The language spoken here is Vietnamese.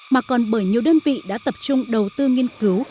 mà còn bởi nhiều đơn vị đã tập trung đầu tư nghiên cứu